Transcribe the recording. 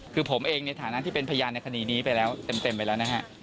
คือผมเองในฐานะที่เป็นพยานในคดีนี้ไปแล้วเต็มไปแล้วนะฮะ